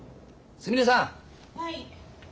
すみれさん